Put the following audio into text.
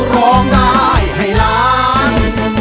ร้องได้ให้ล้าน